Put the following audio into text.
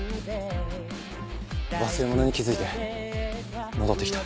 忘れ物に気付いて戻って来た。